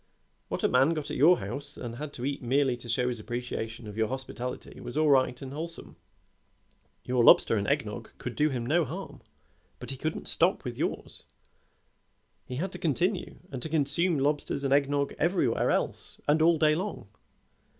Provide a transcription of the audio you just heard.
What a man got at your house and had to eat merely to show his appreciation of your hospitality was all right and wholesome. Your lobster and egg nog could do him no harm, but he couldn't stop with yours; he had to continue, and consume lobsters and egg nog everywhere else and all day long.